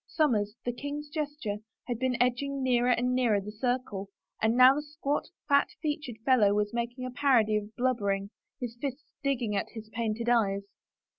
Somers, the king's jester, had been edging nearer and nearer the circle and now the squat, fat featured fellow was making a parody of blubbering, his fists digging at his painted eyes.